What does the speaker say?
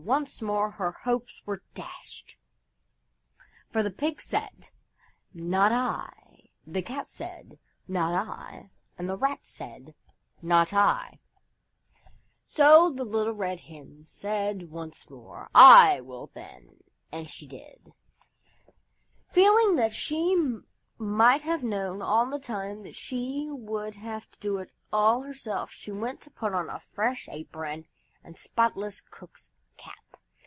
Once more her hopes were dashed! For the Pig said, "Not I," the Cat said, "Not I," and the Rat said, "Not I." So the Little Red Hen said once more, "I will then," and she did. Feeling that she might have known all the time that she would have to do it all herself, she went and put on a fresh apron and spotless cook's cap.